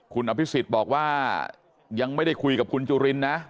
คุณอภิษฎบอกว่ายังไม่ได้คุยกับคุณจุลินนะ